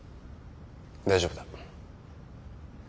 大丈夫だ。